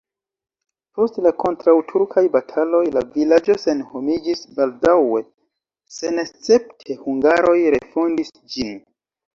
Post la kontraŭturkaj bataloj la vilaĝo senhomiĝis, baldaŭe senescepte hungaroj refondis ĝin.